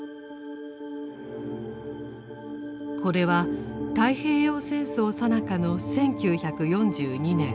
これは太平洋戦争さなかの１９４２年